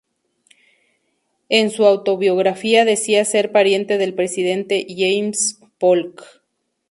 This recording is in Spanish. En su autobiografía decía ser pariente del presidente James K. Polk.